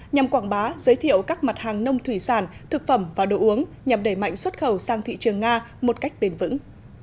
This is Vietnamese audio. nhằm quảng bá giới thiệu các mặt hàng nông thủy sản thực phẩm và đồ uống nhằm đẩy mạnh xuất khẩu sang thị trường nga một cách bền vững